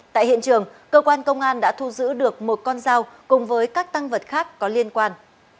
tại hiện trường cơ quan công an đã thu giữ được một con dao cùng với các tăng vật khác có liên quan